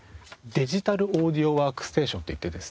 デジタル・オーディオ・ワークステーションといってですね